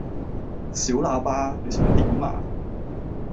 小喇叭呀！你想點呀